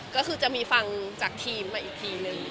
ก็คือจะมีฟังจากทีมมาอีกทีนึง